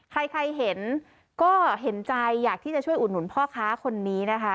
ใครเห็นก็เห็นใจอยากที่จะช่วยอุดหนุนพ่อค้าคนนี้นะคะ